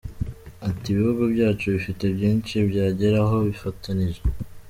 Ati" Ibihugu byacu bifite byinshi byageraho bifatanije.